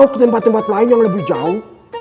ke tempat tempat lain yang lebih jauh